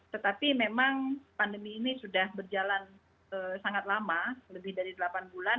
tetapi memang pandemi ini sudah berjalan sangat lama lebih dari delapan bulan